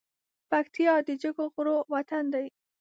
پکتيا د جګو غرو وطن دی